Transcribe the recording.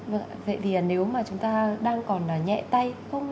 vậy thì nếu mà chúng ta đang còn là nhẹ tay